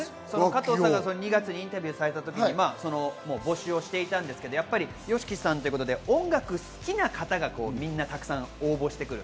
加藤さんが２月にインタビューされた時には募集をしていたんですけど、やっぱりＹＯＳＨＩＫＩさんということで、音楽好きな方がみんなたくさん応募してくる。